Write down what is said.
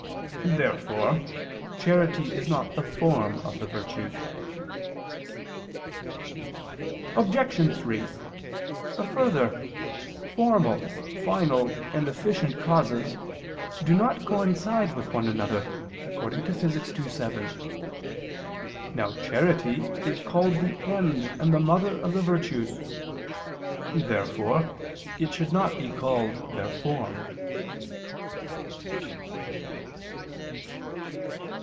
Therefore charity is not the form of the virtues. Obj. 3: Further, formal, final, and efficient causes do not coincide with one another (Phys. ii, 7). Now charity is called the end and the mother of the virtues. Therefore it should not be called their form.